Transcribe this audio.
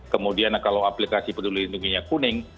kemudian kalau aplikasi peduli lindunginya kuning